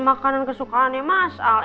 makanan kesukaannya mas al